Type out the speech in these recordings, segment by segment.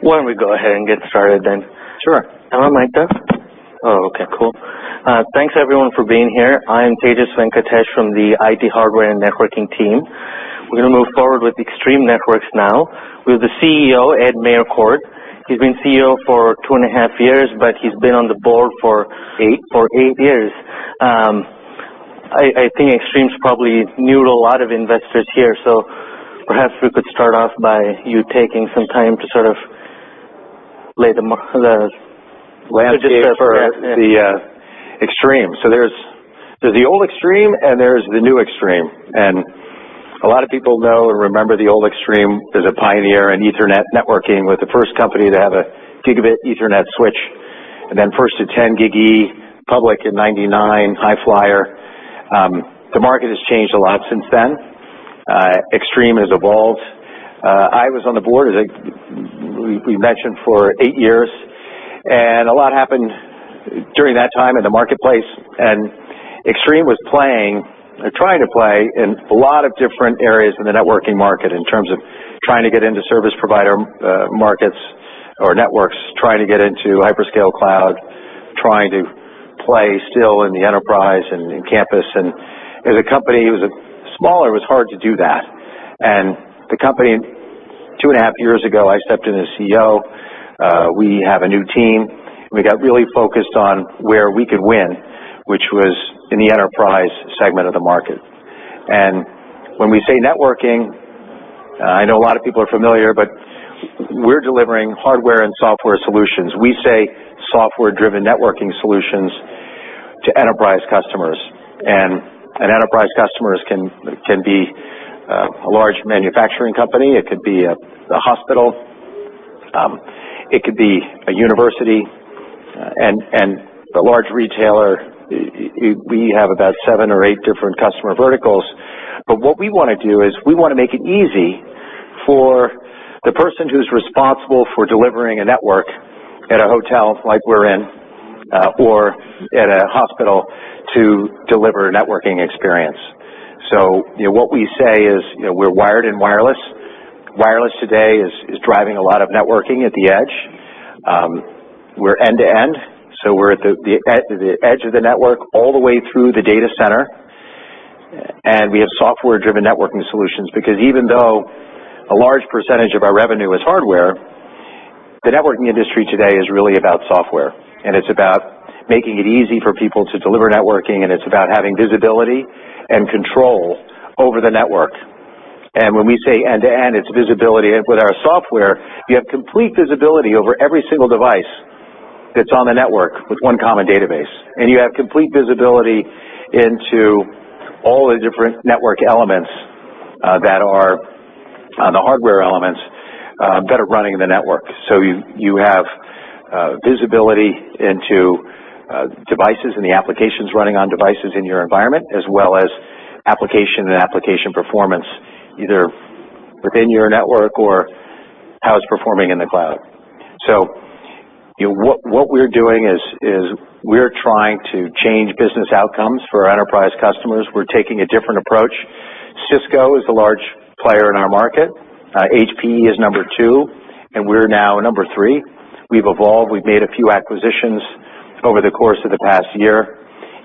Why don't we go ahead and get started then? Sure. Am I miked up? Oh, okay, cool. Thanks everyone for being here. I am Tejas Venkatesh from the IT Hardware and Networking team. We're going to move forward with Extreme Networks now. We have the CEO, Ed Meyercord. He's been CEO for two and a half years, but he's been on the board for eight years. I think Extreme's probably new to a lot of investors here, perhaps we could start off by you taking some time to sort of lay the landscape for- The landscape for the Extreme. There's the old Extreme and there's the new Extreme, and a lot of people know and remember the old Extreme as a pioneer in Ethernet networking. Was the first company to have a gigabit Ethernet switch, then first to 10 GigE public in 1999, high-flyer. The market has changed a lot since then. Extreme has evolved. I was on the board, as we mentioned, for eight years, and a lot happened during that time in the marketplace, Extreme was playing, or trying to play, in a lot of different areas in the networking market in terms of trying to get into service provider markets or networks, trying to get into hyperscale cloud, trying to play still in the enterprise and in campus. As a company, it was smaller, it was hard to do that. The company, two and a half years ago, I stepped in as CEO. We have a new team, we got really focused on where we could win, which was in the enterprise segment of the market. When we say networking, I know a lot of people are familiar, but we're delivering hardware and software solutions. We say software-driven networking solutions to enterprise customers. Enterprise customers can be a large manufacturing company, it could be a hospital, it could be a university, and a large retailer. We have about seven or eight different customer verticals. What we want to do is we want to make it easy for the person who's responsible for delivering a network at a hotel, like we're in, or at a hospital to deliver a networking experience. What we say is we're wired and wireless. Wireless today is driving a lot of networking at the edge. We're end-to-end, so we're at the edge of the network all the way through the data center. We have software-driven networking solutions because even though a large percentage of our revenue is hardware, the networking industry today is really about software. It's about making it easy for people to deliver networking. It's about having visibility and control over the network. When we say end-to-end, it's visibility. With our software, you have complete visibility over every single device that's on the network with one common database. You have complete visibility into all the different network elements that are the hardware elements that are running in the network. You have visibility into devices and the applications running on devices in your environment, as well as application and application performance, either within your network or how it's performing in the cloud. What we're doing is we're trying to change business outcomes for our enterprise customers. We're taking a different approach. Cisco is the large player in our market. HPE is number 2. We're now number 3. We've evolved. We've made a few acquisitions over the course of the past year.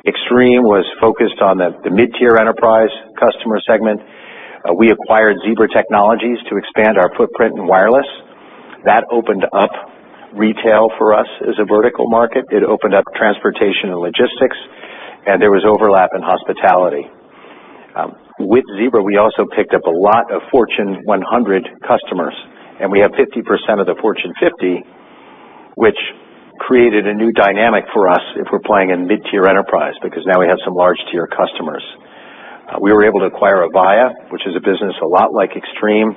Extreme was focused on the mid-tier enterprise customer segment. We acquired Zebra Technologies to expand our footprint in wireless. That opened up retail for us as a vertical market. It opened up transportation and logistics. There was overlap in hospitality. With Zebra, we also picked up a lot of Fortune 100 customers. We have 50% of the Fortune 50, which created a new dynamic for us if we're playing in mid-tier enterprise, because now we have some large tier customers. We were able to acquire Avaya, which is a business a lot like Extreme,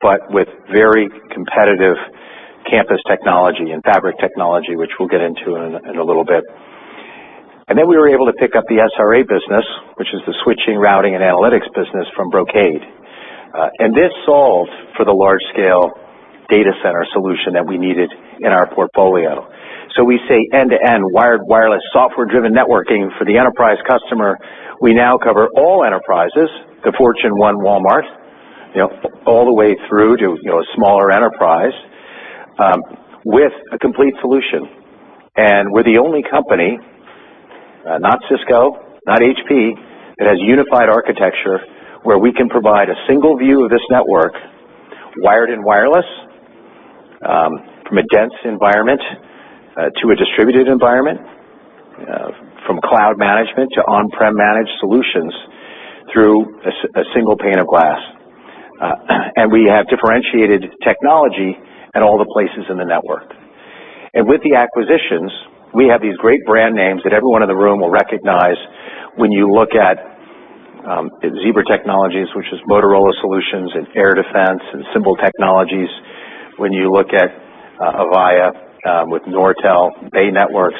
but with very competitive campus technology and fabric technology, which we'll get into in a little bit. We were able to pick up the SRA business, which is the switching, routing, and analytics business from Brocade. This solved for the large-scale data center solution that we needed in our portfolio. We say end-to-end wired/wireless software-driven networking for the enterprise customer. We now cover all enterprises, the Fortune 1 Walmart, all the way through to a smaller enterprise, with a complete solution. We're the only company, not Cisco, not HP, that has unified architecture where we can provide a single view of this network, wired and wireless, from a dense environment to a distributed environment, from cloud management to on-prem managed solutions through a single pane of glass. We have differentiated technology at all the places in the network. With the acquisitions, we have these great brand names that everyone in the room will recognize when you look at Zebra Technologies, which is Motorola Solutions, AirDefense, and Symbol Technologies. When you look at Avaya with Nortel, Bay Networks.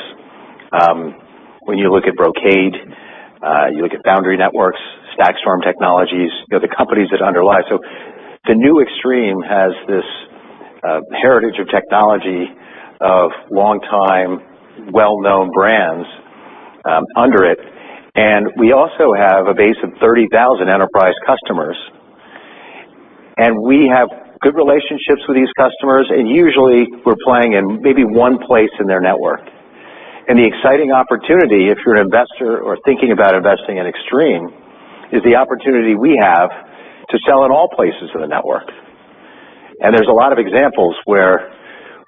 When you look at Brocade, you look at Foundry Networks, StackStorm, the companies that underlie. The new Extreme has this heritage of technology of long-time well-known brands under it. We also have a base of 30,000 enterprise customers. We have good relationships with these customers, and usually we're playing in maybe one place in their network. The exciting opportunity, if you're an investor or thinking about investing in Extreme, is the opportunity we have to sell in all places of the network. There's a lot of examples where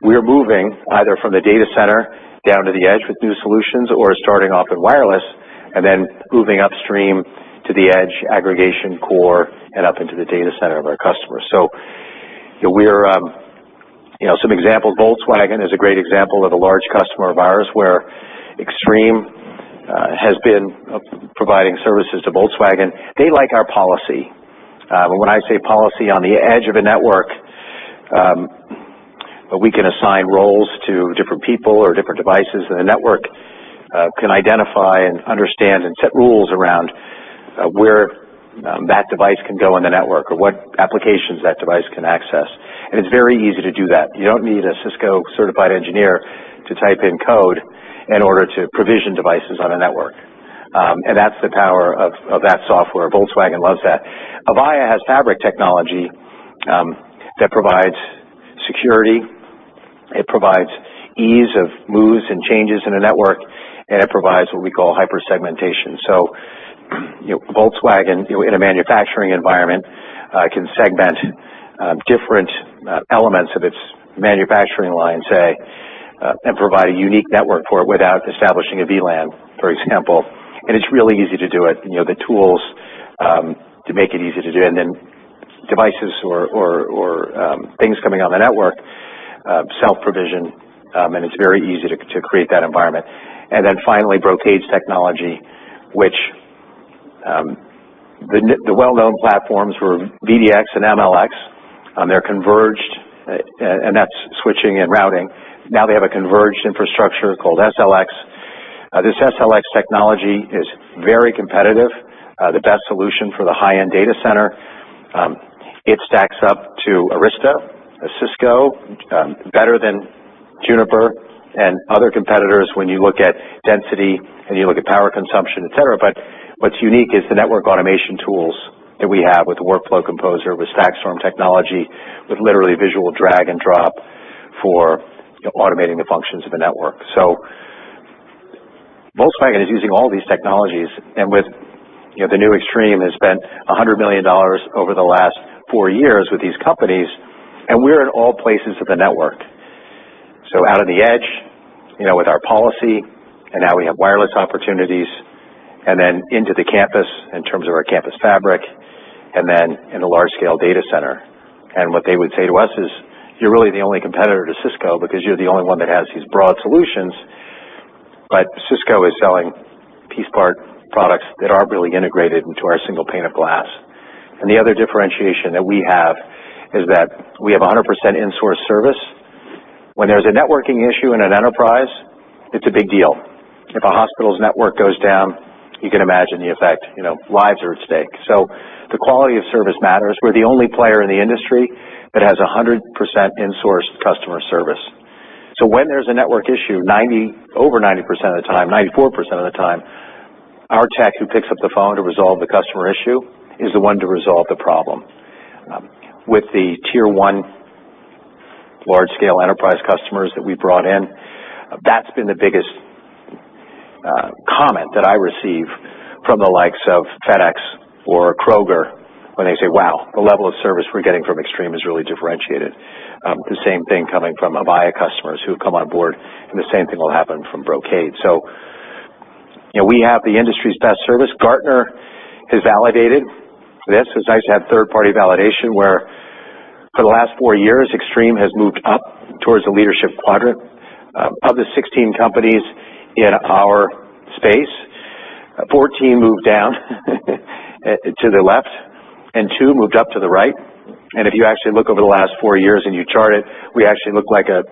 we're moving either from the data center down to the edge with new solutions or starting off in wireless and then moving upstream to the edge aggregation core and up into the data center of our customers. Some examples. Volkswagen is a great example of a large customer of ours where Extreme has been providing services to Volkswagen. They like our policy. When I say policy on the edge of a network, we can assign roles to different people or different devices in the network, can identify and understand and set rules around where that device can go in the network or what applications that device can access. It's very easy to do that. You don't need a Cisco-certified engineer to type in code in order to provision devices on a network. That's the power of that software. Volkswagen loves that. Avaya has fabric technology that provides security, it provides ease of moves and changes in a network, and it provides what we call hyper-segmentation. Volkswagen, in a manufacturing environment, can segment different elements of its manufacturing line, say, and provide a unique network for it without establishing a VLAN, for example. It's really easy to do it. The tools to make it easy to do. Devices or things coming on the network self-provision, and it's very easy to create that environment. Finally, Brocade's technology, which the well-known platforms were VDX and MLX. They're converged, and that's switching and routing. Now they have a converged infrastructure called SLX. This SLX technology is very competitive, the best solution for the high-end data center. It stacks up to Arista, Cisco, better than Juniper and other competitors when you look at density and you look at power consumption, et cetera. What's unique is the network automation tools that we have with Workflow Composer, with StackStorm technology, with literally visual drag and drop for automating the functions of a network. Volkswagen is using all these technologies. The new Extreme has spent $100 million over the last four years with these companies, and we're in all places of the network. Out of the edge with our policy, and now we have wireless opportunities, and then into the campus in terms of our campus fabric, and then in a large-scale data center. What they would say to us is, "You're really the only competitor to Cisco because you're the only one that has these broad solutions. Cisco is selling piece part products that aren't really integrated into our single pane of glass." The other differentiation that we have is that we have 100% in-source service. When there's a networking issue in an enterprise, it's a big deal. If a hospital's network goes down, you can imagine the effect. Lives are at stake. The quality of service matters. We're the only player in the industry that has 100% in-source customer service. When there is a network issue, over 90% of the time, 94% of the time, our tech who picks up the phone to resolve the customer issue is the one to resolve the problem. With the tier 1 large-scale enterprise customers that we brought in, that has been the biggest comment that I receive from the likes of FedEx or Kroger when they say, "Wow, the level of service we are getting from Extreme is really differentiated." The same thing coming from Avaya customers who have come on board, and the same thing will happen from Brocade. We have the industry's best service. Gartner has validated this. It is nice to have third-party validation where for the last four years, Extreme has moved up towards the leadership quadrant. Of the 16 companies in our space, 14 moved down to the left, and two moved up to the right. If you actually look over the last four years and you chart it, we actually look like a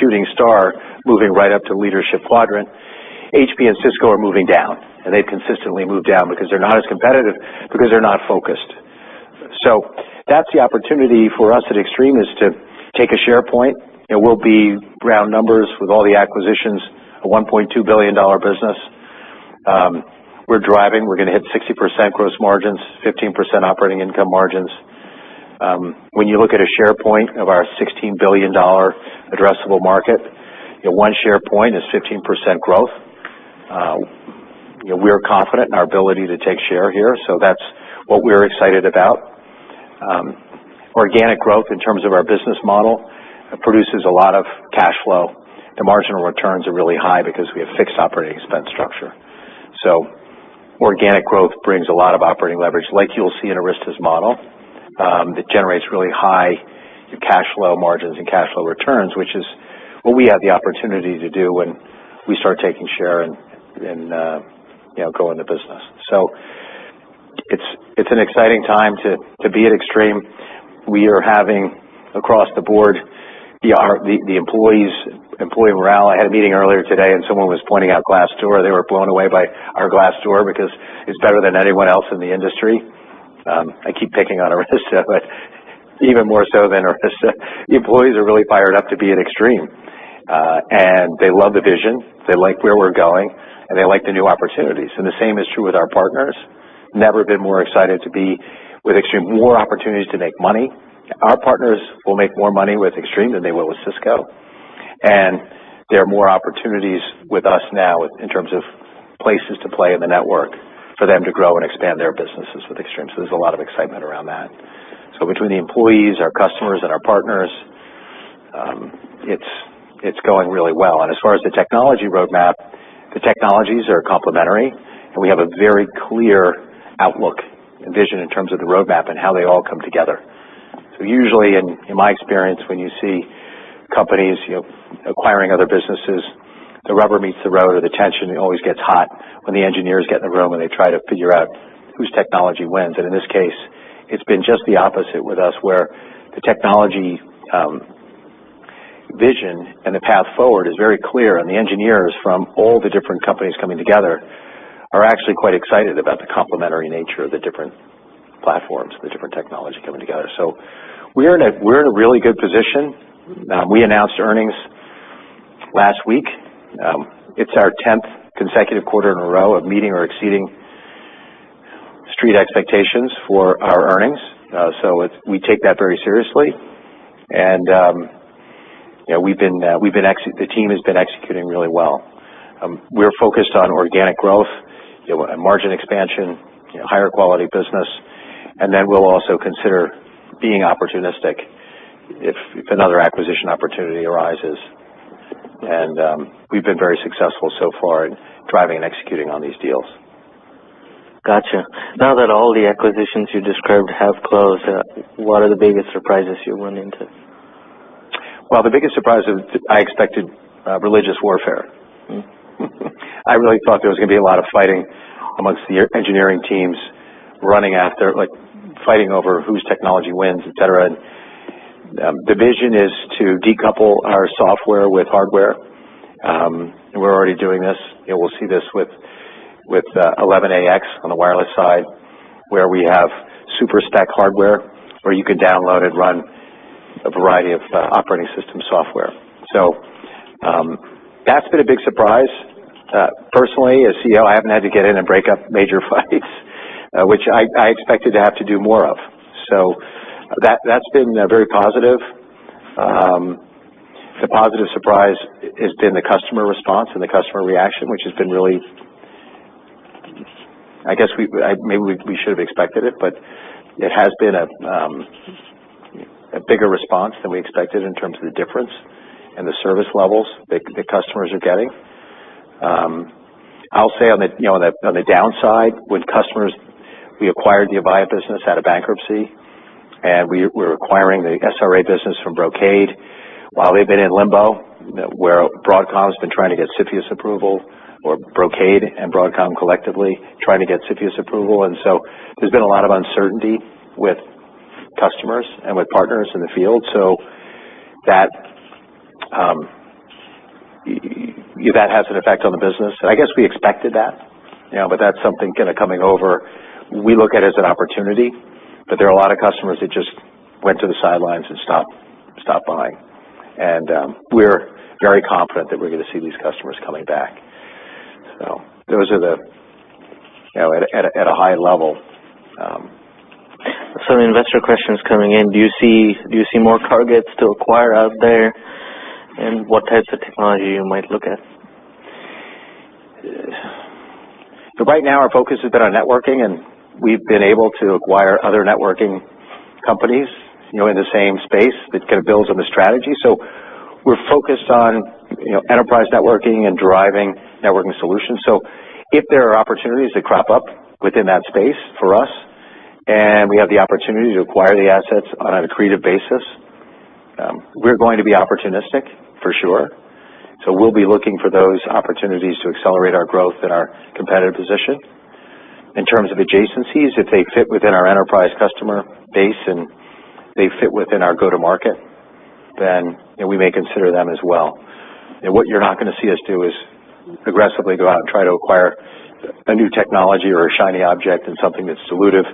shooting star moving right up to leadership quadrant. HP and Cisco are moving down, and they have consistently moved down because they are not as competitive, because they are not focused. That is the opportunity for us at Extreme is to take a share point. We will be, round numbers, with all the acquisitions, a $1.2 billion business. We are driving. We are going to hit 60% gross margins, 15% operating income margins. When you look at a share point of our $16 billion addressable market, one share point is 15% growth. We are confident in our ability to take share here, so that is what we are excited about. Organic growth in terms of our business model produces a lot of cash flow. The marginal returns are really high because we have fixed OpEx structure. Organic growth brings a lot of operating leverage like you will see in Arista's model, that generates really high cash flow margins and cash flow returns, which is what we have the opportunity to do when we start taking share and go into business. It is an exciting time to be at Extreme. We are having across the board, the employee morale. I had a meeting earlier today and someone was pointing out Glassdoor. They were blown away by our Glassdoor because it is better than anyone else in the industry. I keep picking on Arista, but even more so than our employees are really fired up to be at Extreme. They love the vision, they like where we are going, and they like the new opportunities. The same is true with our partners. Never been more excited to be with Extreme. More opportunities to make money. Our partners will make more money with Extreme than they will with Cisco. There are more opportunities with us now in terms of places to play in the network for them to grow and expand their businesses with Extreme, so there is a lot of excitement around that. Between the employees, our customers, and our partners, it is going really well. As far as the technology roadmap, the technologies are complementary, and we have a very clear outlook and vision in terms of the roadmap and how they all come together. Usually, in my experience, when you see companies acquiring other businesses, the rubber meets the road or the tension always gets hot when the engineers get in the room and they try to figure out whose technology wins. In this case, it's been just the opposite with us, where the technology vision and the path forward is very clear. The engineers from all the different companies coming together are actually quite excited about the complementary nature of the different platforms, the different technology coming together. We're in a really good position. We announced earnings last week. It's our 10th consecutive quarter in a row of meeting or exceeding street expectations for our earnings. We take that very seriously. The team has been executing really well. We're focused on organic growth, margin expansion, higher quality business, then we'll also consider being opportunistic if another acquisition opportunity arises. We've been very successful so far in driving and executing on these deals. Got you. Now that all the acquisitions you described have closed, what are the biggest surprises you've run into? Well, the biggest surprise is I expected religious warfare. I really thought there was going to be a lot of fighting amongst the engineering teams, fighting over whose technology wins, et cetera. The vision is to decouple our software with hardware. We're already doing this. We'll see this with 802.11ax on the wireless side, where we have super stack hardware, where you can download and run a variety of operating system software. That's been a big surprise. Personally, as CEO, I haven't had to get in and break up major fights, which I expected to have to do more of. That's been very positive. The positive surprise has been the customer response and the customer reaction, which has been really I guess maybe we should have expected it, but it has been a bigger response than we expected in terms of the difference and the service levels that the customers are getting. I'll say on the downside, with customers, we acquired the Avaya business out of bankruptcy, we're acquiring the SRA business from Brocade. While we've been in limbo, where Broadcom's been trying to get CFIUS approval, or Brocade and Broadcom collectively trying to get CFIUS approval. There's been a lot of uncertainty with customers and with partners in the field. That has an effect on the business. I guess we expected that's something coming over, we look at as an opportunity, there are a lot of customers that just went to the sidelines and stopped buying. We're very confident that we're going to see these customers coming back. Those are at a high level. Some investor questions coming in. Do you see more targets to acquire out there? What types of technology you might look at? Right now, our focus has been on networking, we've been able to acquire other networking companies in the same space that builds on the strategy. We're focused on enterprise networking and driving networking solutions. If there are opportunities that crop up within that space for us, we have the opportunity to acquire the assets on an accretive basis, we're going to be opportunistic for sure. We'll be looking for those opportunities to accelerate our growth and our competitive position. In terms of adjacencies, if they fit within our enterprise customer base, they fit within our go-to market, we may consider them as well. What you're not going to see us do is aggressively go out and try to acquire a new technology or a shiny object, something that's elusive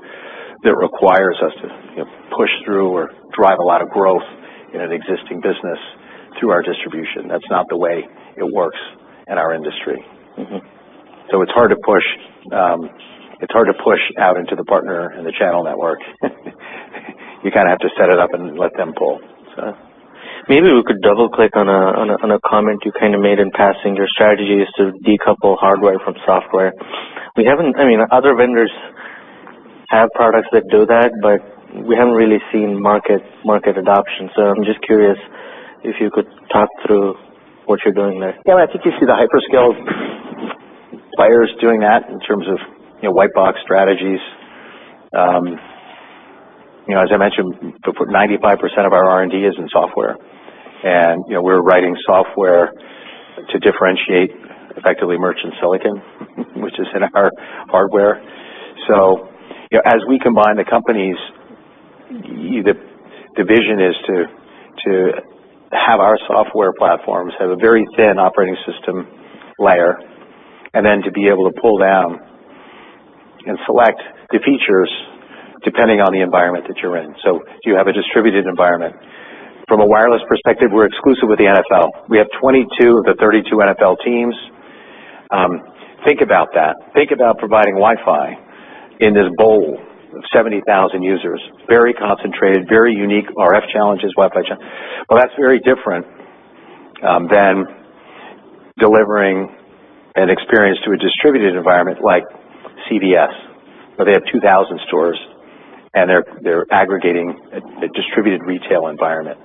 that requires us to push through or drive a lot of growth in an existing business through our distribution. That's not the way it works in our industry. It's hard to push out into the partner and the channel network. You have to set it up and let them pull. Maybe we could double-click on a comment you made in passing. Your strategy is to decouple hardware from software. Other vendors have products that do that, but we haven't really seen market adoption. I'm just curious if you could talk through what you're doing there. Yeah. I think you see the hyperscale players doing that in terms of white box strategies. As I mentioned, 95% of our R&D is in software. We're writing software to differentiate effectively merchant silicon, which is in our hardware. As we combine the companies, the vision is to have our software platforms have a very thin operating system layer, then to be able to pull down and select the features depending on the environment that you're in. If you have a distributed environment. From a wireless perspective, we're exclusive with the NFL. We have 22 of the 32 NFL teams. Think about that. Think about providing Wi-Fi in this bowl of 70,000 users, very concentrated, very unique RF challenges, Wi-Fi challenges. Well, that's very different than delivering an experience to a distributed environment like CVS, where they have 2,000 stores and they're aggregating a distributed retail environment.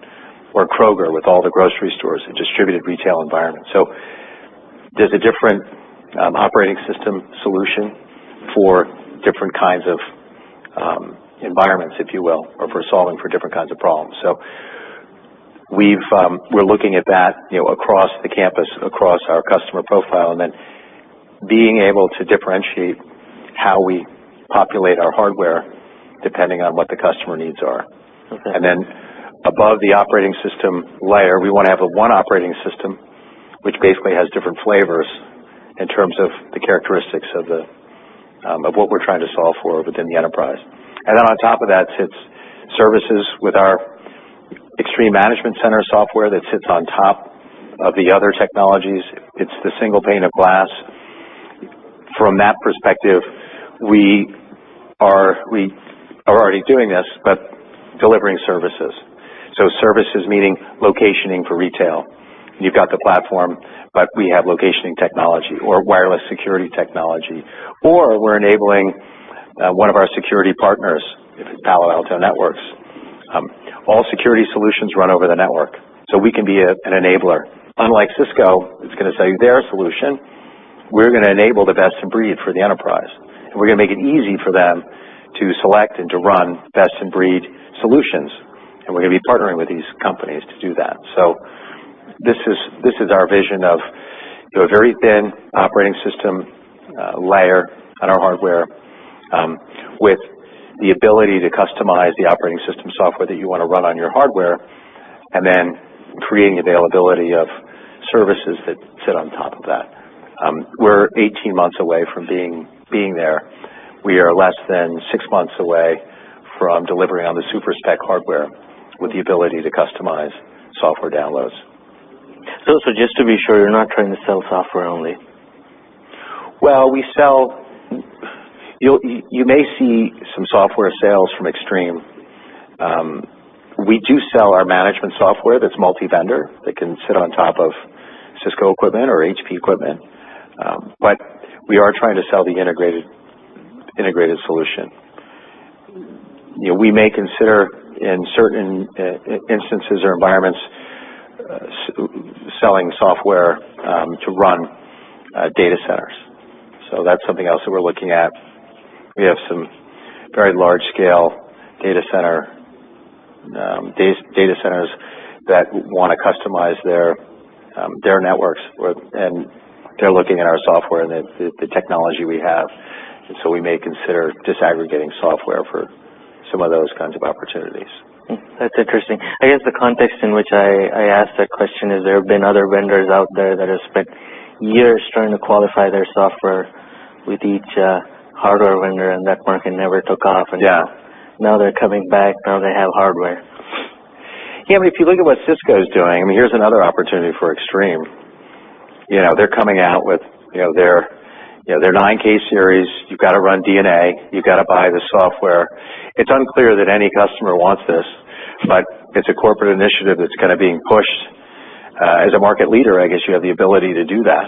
Kroger with all the grocery stores, a distributed retail environment. There's a different operating system solution for different kinds of environments, if you will, or for solving for different kinds of problems. We're looking at that across the campus, across our customer profile, then being able to differentiate how we populate our hardware depending on what the customer needs are. Okay. Above the operating system layer, we want to have one operating system, which basically has different flavors in terms of the characteristics of what we're trying to solve for within the enterprise. On top of that sits services with our Extreme Management Center software that sits on top of the other technologies. It's the single pane of glass. From that perspective, we are already doing this, but delivering services. Services meaning locationing for retail. You've got the platform, but we have locationing technology or wireless security technology. We're enabling one of our security partners, Palo Alto Networks. All security solutions run over the network. We can be an enabler. Unlike Cisco, that's going to sell you their solution, we're going to enable the best-in-breed for the enterprise, and we're going to make it easy for them to select and to run best-in-breed solutions. We're going to be partnering with these companies to do that. This is our vision of a very thin operating system layer on our hardware with the ability to customize the operating system software that you want to run on your hardware, then creating availability of services that sit on top of that. We're 18 months away from being there. We are less than 6 months away from delivering on the super stack hardware with the ability to customize software downloads. Just to be sure, you're not trying to sell software only. Well, you may see some software sales from Extreme. We do sell our management software that's multi-vendor, that can sit on top of Cisco equipment or HP equipment. We are trying to sell the integrated solution. We may consider, in certain instances or environments, selling software to run data centers. That's something else that we're looking at. We have some very large-scale data centers that want to customize their networks, and they're looking at our software and the technology we have. We may consider disaggregating software for some of those kinds of opportunities. That's interesting. I guess the context in which I asked that question is there have been other vendors out there that have spent years trying to qualify their software with each hardware vendor, that market never took off. Yeah. Now they're coming back. Now they have hardware. Yeah, if you look at what Cisco's doing, here's another opportunity for Extreme. They're coming out with their 9K series. You've got to run DNA. You've got to buy the software. It's unclear that any customer wants this, but it's a corporate initiative that's kind of being pushed. As a market leader, I guess you have the ability to do that.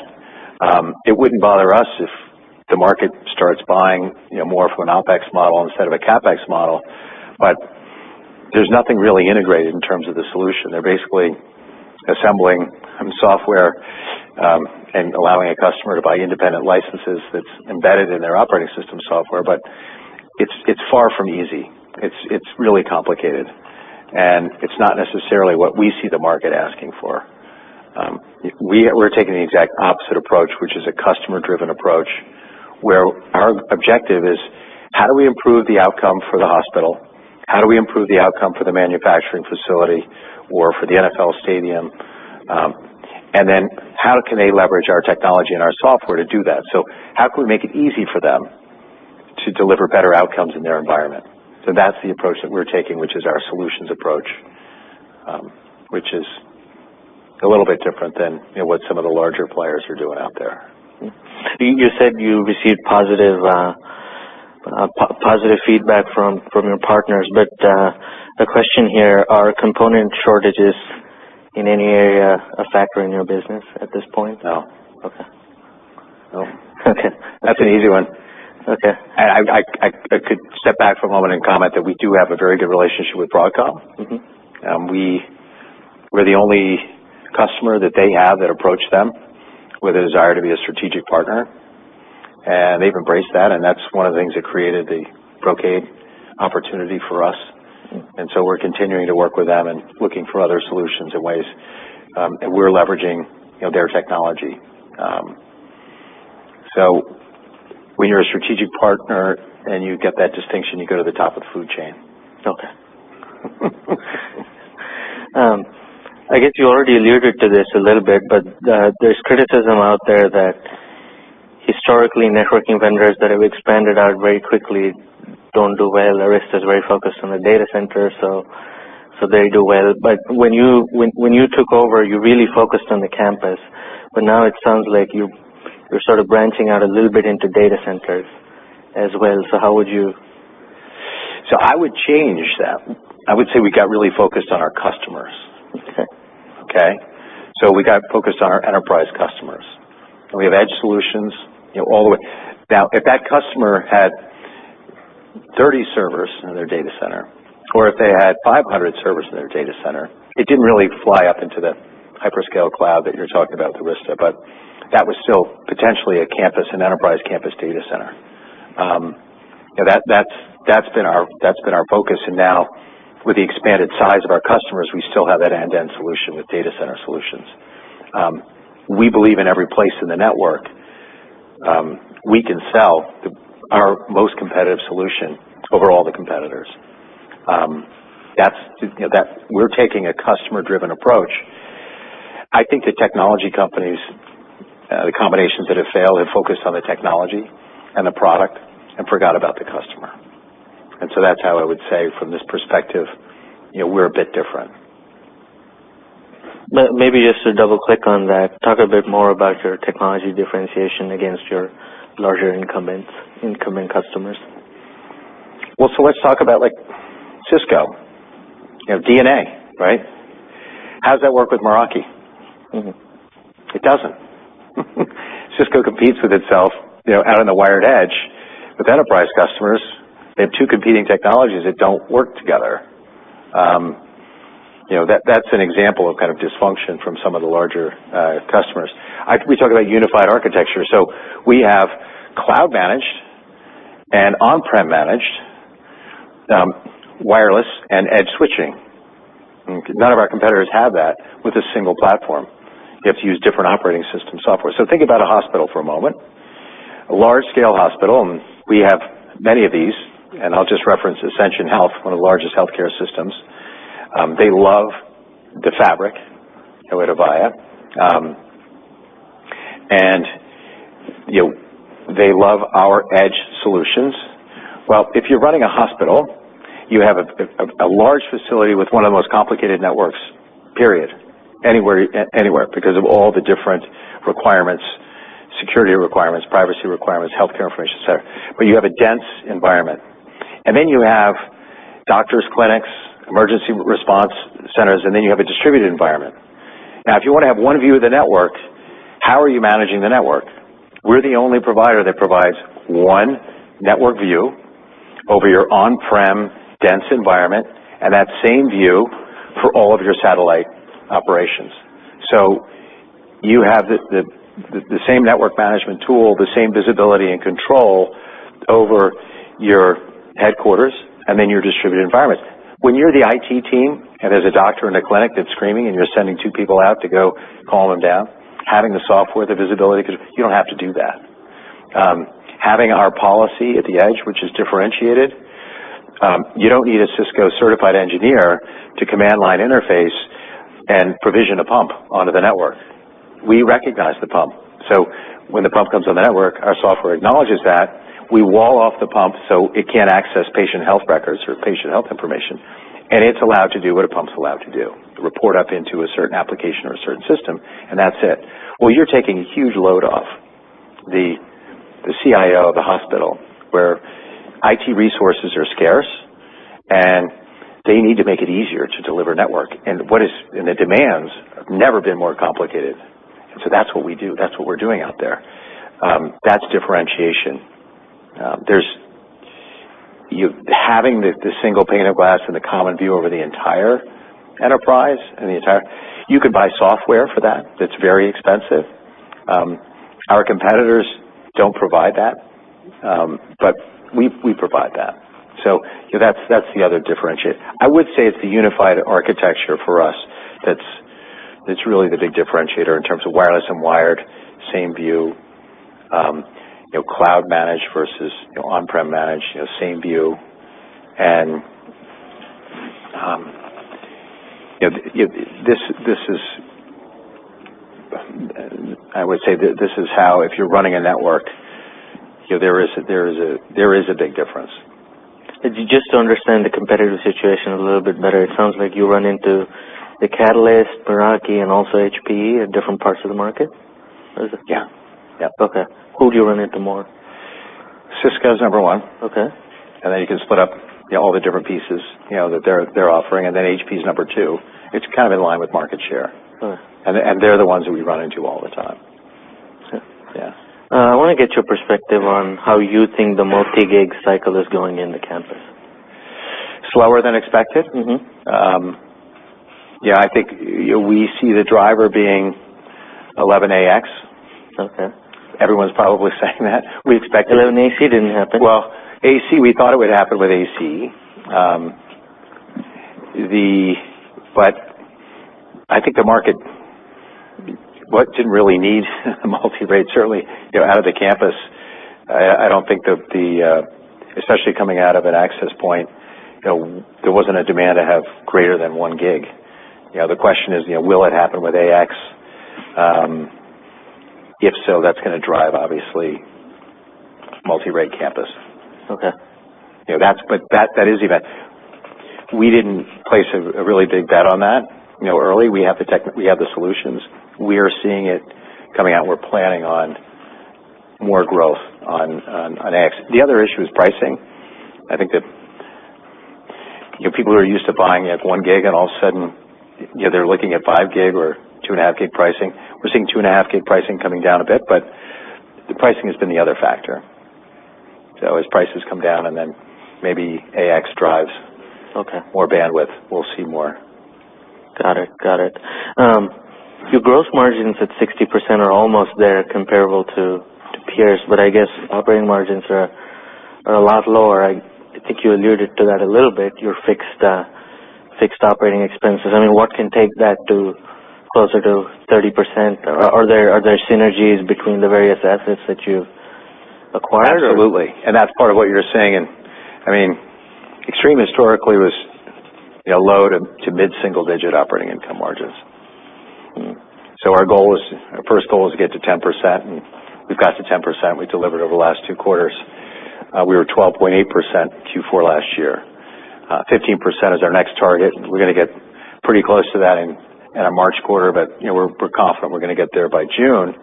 It wouldn't bother us if the market starts buying more from an OpEx model instead of a CapEx model, there's nothing really integrated in terms of the solution. They're basically assembling software and allowing a customer to buy independent licenses that's embedded in their operating system software, it's far from easy. It's really complicated, it's not necessarily what we see the market asking for. We're taking the exact opposite approach, which is a customer-driven approach, where our objective is: how do we improve the outcome for the hospital? How do we improve the outcome for the manufacturing facility or for the NFL stadium? How can they leverage our technology and our software to do that? How can we make it easy for them to deliver better outcomes in their environment? That's the approach that we're taking, which is our solutions approach, which is a little bit different than what some of the larger players are doing out there. You said you received positive feedback from your partners, the question here, are component shortages in any area a factor in your business at this point? No. Okay. No. Okay. That's an easy one. Okay. I could step back for a moment and comment that we do have a very good relationship with Broadcom. We're the only customer that they have that approached them with a desire to be a strategic partner. They've embraced that's one of the things that created the Brocade opportunity for us. We're continuing to work with them and looking for other solutions and ways, and we're leveraging their technology. When you're a strategic partner and you get that distinction, you go to the top of the food chain. I guess you already alluded to this a little bit, but there's criticism out there that historically, networking vendors that have expanded out very quickly don't do well. Arista's very focused on the data center, so they do well. When you took over, you really focused on the campus, but now it sounds like you're sort of branching out a little bit into data centers as well. How would you I would change that. I would say we got really focused on our customers. Okay. Okay. We got focused on our enterprise customers, and we have edge solutions all the way. Now, if that customer had 30 servers in their data center, or if they had 500 servers in their data center, it didn't really fly up into the hyperscale cloud that you're talking about with Arista, but that was still potentially a campus, an enterprise campus data center. That's been our focus, and now with the expanded size of our customers, we still have that end-to-end solution with data center solutions. We believe in every place in the network. We can sell our most competitive solution over all the competitors. We're taking a customer-driven approach. I think the technology companies, the combinations that have failed, have focused on the technology and the product and forgot about the customer. That's how I would say from this perspective, we're a bit different. Maybe just to double-click on that, talk a bit more about your technology differentiation against your larger incumbent competitors. Let's talk about Cisco DNA, right? How does that work with Meraki? It doesn't. Cisco competes with itself out on the wired edge with enterprise customers. They have two competing technologies that don't work together. That's an example of kind of dysfunction from some of the larger customers. We talk about unified architecture. We have cloud managed and on-prem managed, wireless and edge switching. Okay. None of our competitors have that with a single platform. You have to use different operating system software. Think about a hospital for a moment, a large-scale hospital, and we have many of these, and I'll just reference Ascension Health, one of the largest healthcare systems. They love the fabric, the Avaya, and they love our edge solutions. If you're running a hospital, you have a large facility with one of the most complicated networks, period, anywhere, because of all the different requirements, security requirements, privacy requirements, healthcare information center. You have a dense environment. You have doctors clinics, emergency response centers, and you have a distributed environment. If you want to have one view of the network, how are you managing the network? We're the only provider that provides one network view over your on-prem dense environment, and that same view for all of your satellite operations. You have the same network management tool, the same visibility, and control over your headquarters and then your distributed environment. When you're the IT team, and there's a doctor in a clinic that's screaming and you're sending two people out to go calm him down, having the software, the visibility, because you don't have to do that. Having our policy at the edge, which is differentiated, you don't need a Cisco-certified engineer to command line interface and provision a pump onto the network. We recognize the pump, so when the pump comes on the network, our software acknowledges that. We wall off the pump so it can't access patient health records or patient health information, and it's allowed to do what a pump's allowed to do, report up into a certain application or a certain system, and that's it. You're taking a huge load off the CIO of the hospital, where IT resources are scarce, and they need to make it easier to deliver network. The demands have never been more complicated. That's what we do. That's what we're doing out there. That's differentiation. Having the single pane of glass and the common view over the entire enterprise. You can buy software for that that's very expensive. Our competitors don't provide that, but we provide that. That's the other differentiator. I would say it's the unified architecture for us that's really the big differentiator in terms of wireless and wired, same view. Cloud managed versus on-prem managed, same view. I would say this is how, if you're running a network, there is a big difference. Just to understand the competitive situation a little bit better, it sounds like you run into the Catalyst, Meraki, and also HPE in different parts of the market. Is it? Yeah. Yeah. Okay. Who do you run into more? Cisco's number 1. Okay. You can split up all the different pieces that they're offering, HPE's number 2. It's kind of in line with market share. All right. They're the ones who we run into all the time. I see. Yeah. I want to get your perspective on how you think the multi-gig cycle is going in the campus. Slower than expected. Yeah, I think we see the driver being 802.11ax. Okay. Everyone's probably saying that. 802.11ac didn't happen. Well, AC, we thought it would happen with AC. I think the market Well, it didn't really need multi-rate. Certainly, out of the campus, I don't think, especially coming out of an access point, there wasn't a demand to have greater than one gig. The question is, will it happen with AX? If so, that's going to drive, obviously, multi-rate campus. Okay. That is event. We didn't place a really big bet on that early. We have the solutions. We are seeing it coming out. We're planning on more growth on AX. The other issue is pricing. I think that people who are used to buying at one gig and all of a sudden they're looking at five gig or two and a half gig pricing. We're seeing two and a half gig pricing coming down a bit, the pricing has been the other factor. As prices come down and then maybe AX drives. Okay more bandwidth, we'll see more. Got it. Your gross margins at 60% are almost there comparable to peers, but I guess operating margins are a lot lower. I think you alluded to that a little bit, your fixed operating expenses. What can take that to closer to 30%? Are there synergies between the various assets that you've acquired? Absolutely, and that's part of what you're saying. Extreme historically was low to mid-single digit operating income margins. Our first goal was to get to 10%, and we've got to 10%. We delivered over the last two quarters. We were 12.8% Q4 last year. 15% is our next target, and we're going to get pretty close to that in our March quarter, but we're confident we're going to get there by June.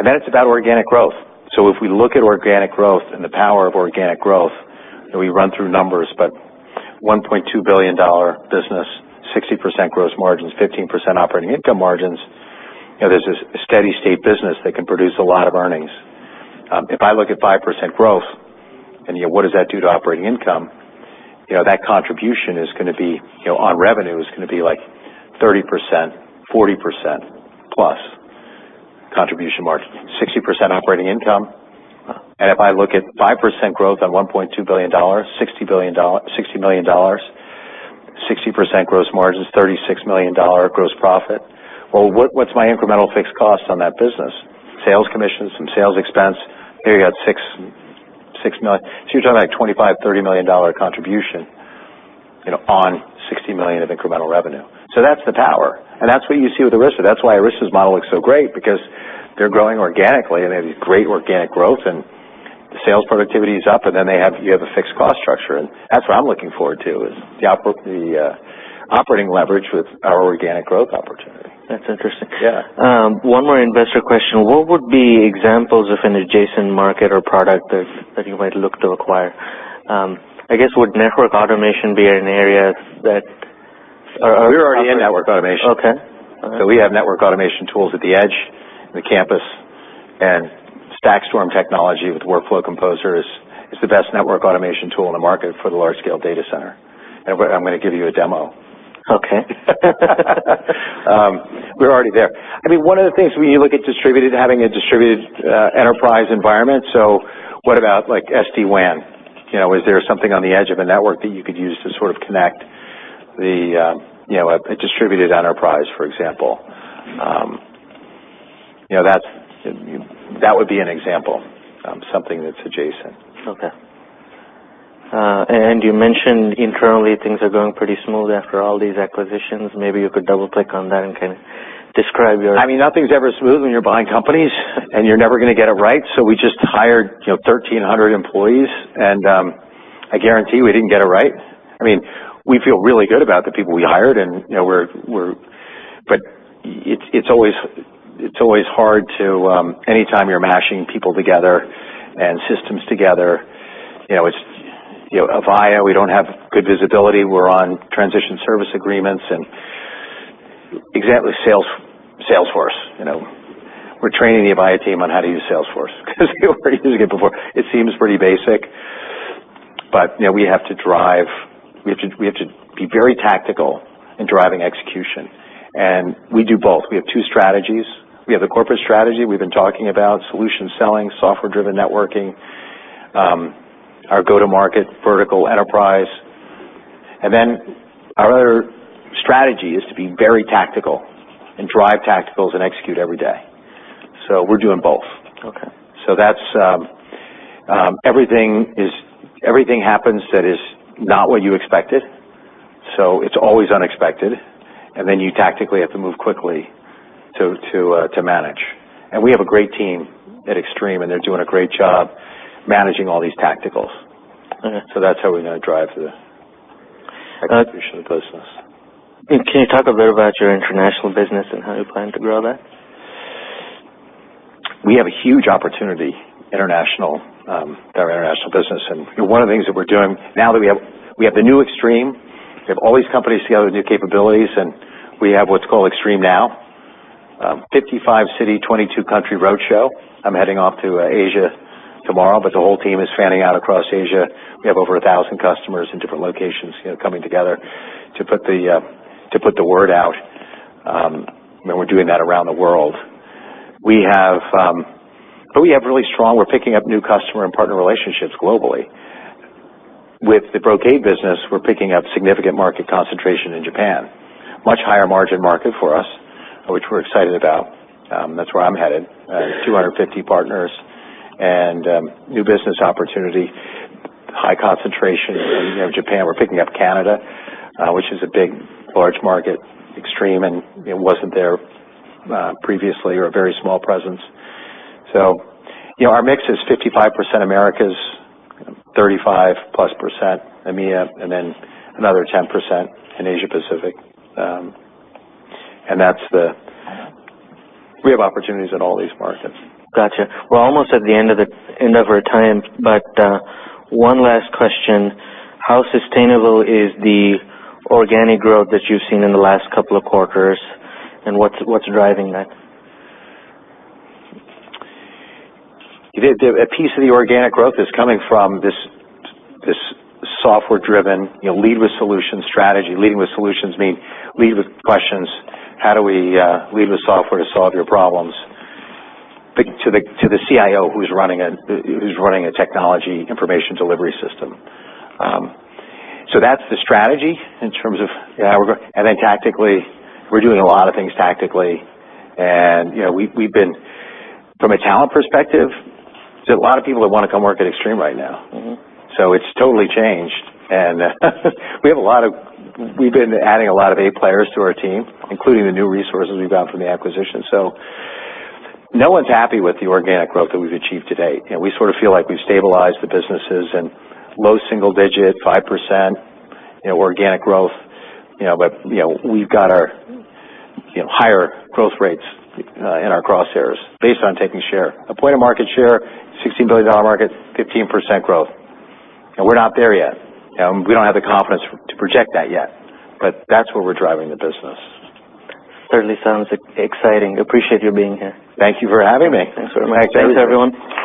Then it's about organic growth. If we look at organic growth and the power of organic growth, and we run through numbers, but $1.2 billion business, 60% gross margins, 15% operating income margins. There's this steady state business that can produce a lot of earnings. If I look at 5% growth and what does that do to operating income, that contribution on revenue is going to be 30%, 40% plus contribution margin, 60% operating income. If I look at 5% growth on $1.2 billion, $60 million, 60% gross margins, $36 million gross profit. Well, what's my incremental fixed cost on that business? Sales commissions, some sales expense, there you got $6 million. You're talking about $25 million-$30 million contribution on $60 million of incremental revenue. That's the power, and that's what you see with Arista. That's why Arista's model looks so great, because they're growing organically, and they have these great organic growth and the sales productivity is up, and then you have a fixed cost structure. That's what I'm looking forward to, is the operating leverage with our organic growth opportunity. That's interesting. Yeah. One more investor question. What would be examples of an adjacent market or product that you might look to acquire? I guess, would network automation be an area that. We're already in network automation. Okay. All right. We have network automation tools at the edge, the campus, and StackStorm technology with Workflow Composer is the best network automation tool in the market for the large scale data center. I'm going to give you a demo. Okay. We're already there. One of the things when you look at having a distributed enterprise environment, what about like SD-WAN? Is there something on the edge of a network that you could use to sort of connect a distributed enterprise, for example? That would be an example of something that's adjacent. Okay. You mentioned internally things are going pretty smooth after all these acquisitions. Maybe you could double click on that and can describe your- Nothing's ever smooth when you're buying companies, and you're never going to get it right. We just hired 1,300 employees, and I guarantee we didn't get it right. We feel really good about the people we hired, but it's always hard any time you're mashing people together and systems together. Avaya, we don't have good visibility. We're on transition service agreements and exactly Salesforce. We're training the Avaya team on how to use Salesforce because we weren't using it before. It seems pretty basic. We have to be very tactical in driving execution, and we do both. We have two strategies. We have the corporate strategy we've been talking about, solution selling, software-driven networking, our go-to-market vertical enterprise. Our other strategy is to be very tactical and drive tacticals and execute every day. We're doing both. Okay. Everything happens that is not what you expected. It's always unexpected, and then you tactically have to move quickly to manage. We have a great team at Extreme, and they're doing a great job managing all these tacticals. Okay. That's how we're going to drive the acquisition business. Can you talk a bit about your international business and how you plan to grow that? We have a huge opportunity, our international business. One of the things that we're doing now that we have the new Extreme, we have all these companies together with new capabilities, and we have what's called Extreme NOW, 55 city, 22 country road show. I'm heading off to Asia tomorrow, but the whole team is fanning out across Asia. We have over 1,000 customers in different locations coming together to put the word out. We're doing that around the world. We're picking up new customer and partner relationships globally. With the Brocade business, we're picking up significant market concentration in Japan. Much higher margin market for us, which we're excited about. That's where I'm headed. 250 partners and new business opportunity, high concentration in Japan. We're picking up Canada, which is a big, large market, Extreme, and it wasn't there previously or a very small presence. Our mix is 55% Americas, 35-plus% EMEA, and then another 10% in Asia Pacific. We have opportunities in all these markets. Got you. We're almost at the end of our time, one last question. How sustainable is the organic growth that you've seen in the last couple of quarters, and what's driving that? A piece of the organic growth is coming from this software-driven, lead-with-solutions strategy. Leading with solutions mean lead with questions. How do we lead with software to solve your problems? To the CIO who's running a technology information delivery system. Tactically, we're doing a lot of things tactically. We've been, from a talent perspective, there's a lot of people that want to come work at Extreme right now. It's totally changed. We've been adding a lot of A players to our team, including the new resources we've got from the acquisition. No one's happy with the organic growth that we've achieved to date. We sort of feel like we've stabilized the businesses and low single-digit, 5%, organic growth. We've got our higher growth rates in our crosshairs based on taking share. A point of market share, $16 billion market, 15% growth. We're not there yet. We don't have the confidence to project that yet, but that's where we're driving the business. Certainly sounds exciting. Appreciate you being here. Thank you for having me. Thanks very much. Thanks, everyone.